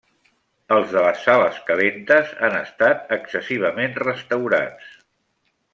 Els de les sales calentes han estat excessivament restaurats.